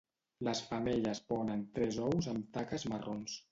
Les femelles ponen tres ous amb taques marrons.